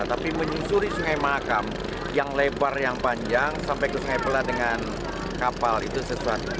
tapi menyusuri sungai mahakam yang lebar yang panjang sampai ke sungai pelat dengan kapal itu sesuatu